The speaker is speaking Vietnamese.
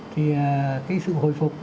thì cái sự hồi phục